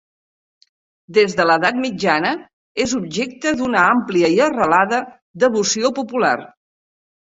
Des de l'edat mitjana és objecte d'una àmplia i arrelada devoció popular.